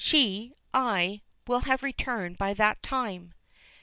She I will have returned by that time."